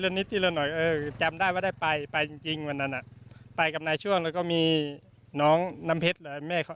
ขนาดแมคโฮล์ยังย้ายหลุมได้เลย